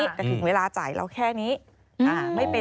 แต่ถึงเวลาจ่ายเราแค่นี้